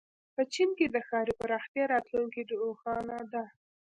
په چین کې د ښاري پراختیا راتلونکې روښانه ده.